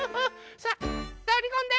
さあとりこんで！